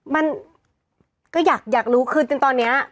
มันก็อยากรู้คือจริงตอนนี้